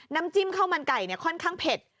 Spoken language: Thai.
น้ำจิ้มข้าวมันไก่ค่อนข้างเผ็ด